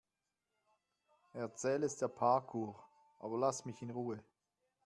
Erzähl es der Parkuhr, aber lass mich in Ruhe.